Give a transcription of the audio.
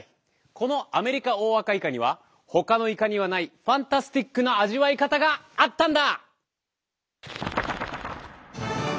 このアメリカオオアカイカにはほかのイカにはないファンタスティックな味わい方があったんだ！